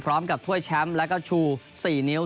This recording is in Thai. พร้อมกับถ้วยแชมป์และก็ชู๔นิ้ว